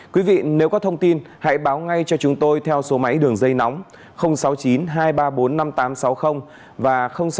quý vị nếu có thông tin hãy báo ngay cho chúng tôi theo số máy đường dây nóng sáu mươi chín hai trăm ba mươi bốn năm nghìn tám trăm sáu mươi và sáu mươi chín hai trăm ba mươi hai một nghìn sáu trăm bảy